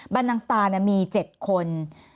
บันดังสตาร์เนี่ยมี๗คน